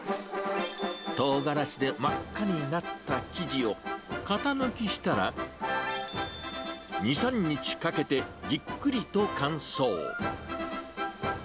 トウガラシで真っ赤になった生地を型抜きしたら、２、３日かけてじっくりと乾燥。